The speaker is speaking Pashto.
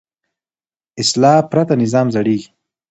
اصلاح پرته نظام زړېږي